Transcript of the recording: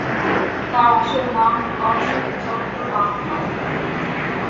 তাঁর আসল নাম অজিত চট্টোপাধ্যায়।